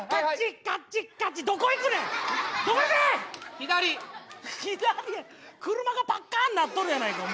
左車がパッカンなっとるやないかお前。